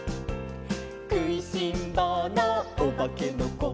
「くいしんぼうのおばけのこ」